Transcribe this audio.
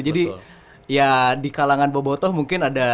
jadi ya di kalangan bobo toh mungkin ada